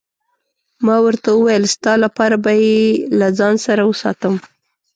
ما ورته وویل: ستا لپاره به يې له ځان سره وساتم.